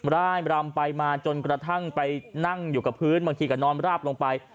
ร่ายรำไปมาจนกระทั่งไปนั่งอยู่กับพื้นบางทีก็นอนราบลงไป